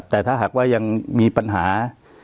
แต่ถ้าหากว่ายังมีปัญหา